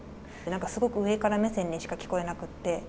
なんかすごく上から目線にしか聞こえなくって。